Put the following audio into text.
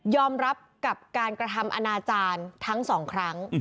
รับกับการกระทำอนาจารย์ทั้งสองครั้ง